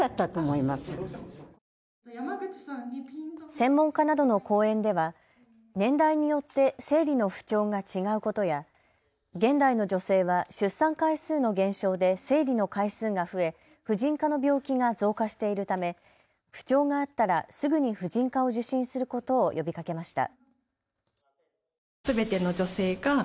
専門家などの講演では年代によって生理の不調が違うことや現代の女性は出産回数の減少で生理の回数が増え婦人科の病気が増加しているため不調があったらすぐに婦人科を受診することを呼びかけました。